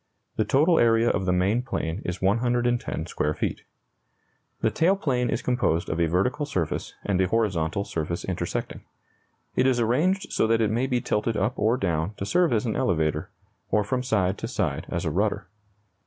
The total area of the main plane is 110 square feet. The tail plane is composed of a vertical surface and a horizontal surface intersecting. It is arranged so that it may be tilted up or down to serve as an elevator, or from side to side as a rudder.